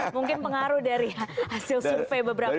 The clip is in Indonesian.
mungkin pengaruh dari hasil survei beberapa kali